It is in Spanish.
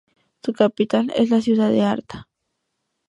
Su capital es la ciudad de Arta.